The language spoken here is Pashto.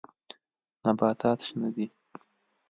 نباتات شنه دي.